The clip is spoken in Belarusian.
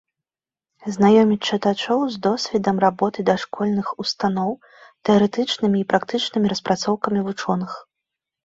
Знаёміць чытачоў з досведам работы дашкольных устаноў, тэарэтычнымі і практычнымі распрацоўкамі вучоных.